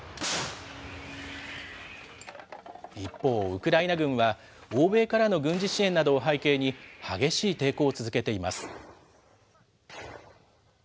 一方、ウクライナ軍は、欧米からの軍事支援などを背景に、激しい抵抗を続けています。